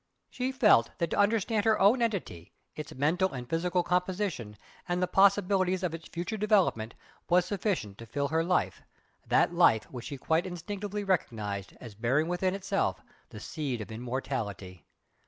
She felt that to understand her own entity, its mental and physical composition, and the possibilities of its future development, was sufficient to fill her life that life which she quite instinctively recognised as bearing within itself the seed of immortality.